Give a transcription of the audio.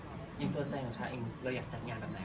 กิจดาวตัวใจจะอยากจัดงานอย่างไร